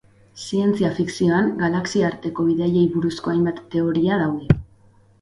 Zientzia-fikzioan galaxiarteko bidaiei buruzko hainbat teoria daude.